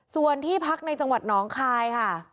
ส่วนที่พักในจังหวัดน้องคายค่ะ